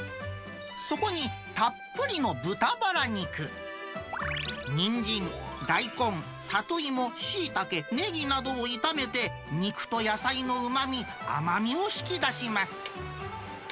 そこにたっぷりの豚バラ肉、にんじん、大根、里芋、しいたけ、ねぎなどを炒めて、肉と野菜のうまみ、甘みを引き出します。